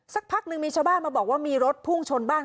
สักพักหนึ่งมีชาวบ้านมาบอกว่ามีรถพุ่งชนบ้าน